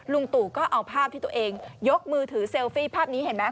ลุงตู่ก็เอาภาพที่ตัวเองยกมือถือเซลฟี่ภาพนี้เห็นไหม